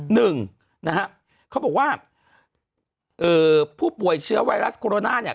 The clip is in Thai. หนึ่งนะฮะเขาบอกว่าเอ่อผู้ป่วยเชื้อไวรัสโคโรนาเนี่ย